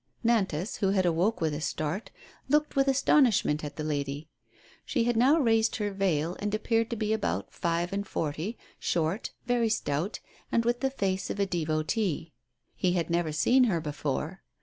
Nantas, who had awoke with a start, looked with as tonishment at the lady. She had now raised her veil, and appeared to be about five and forty, short, very stout, and with the face of a devotee. lie had never seen her before.